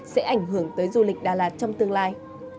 sẽ ảnh hưởng tới du lịch đà lạt trong tương lai